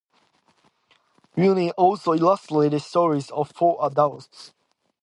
Rainey also illustrated stories for adults.